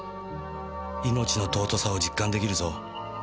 「命の尊さを実感出来るぞ」